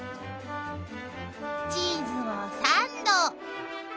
［チーズをサンド］